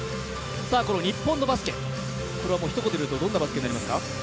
日本のバスケはひと言で言うとどんなバスケですか？